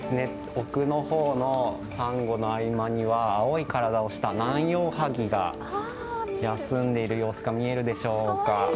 奥のほうのサンゴの合間には青い体をしたナンヨウハギが休んでいる様子が見えるでしょうか？